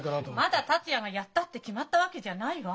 まだ達也がやったって決まったわけじゃないわ！